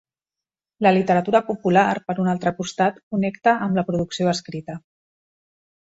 La literatura popular, per un altre costat, connecta amb la producció escrita.